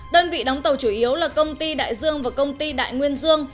đơn vị đóng tàu chủ yếu là công ty đại dương và công ty đại nguyên dương